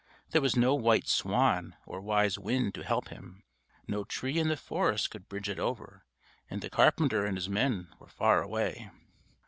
There was no white swan or wise wind to help him. No tree in the forest could bridge it over, and the carpenter and his men were far away.